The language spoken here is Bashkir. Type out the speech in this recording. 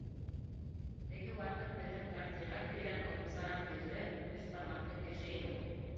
Теге ваҡыт беҙҙең трактирға килгән оҙонсараҡ йөҙлө, өс бармаҡлы кеше ине ул.